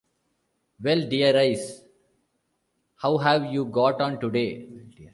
Well, dearies, how have you got on today?